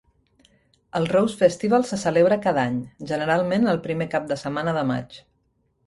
El Rose Festival se celebra cada any, generalment el primer cap de setmana de maig.